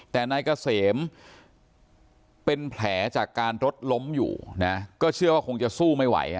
แต่นายเกษมเป็นแผลจากการรถล้มอยู่นะก็เชื่อว่าคงจะสู้ไม่ไหว